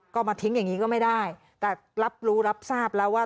ก็มาทิ้งอย่างนี้ก็ไม่ได้แต่รับรู้รับทราบแล้วว่า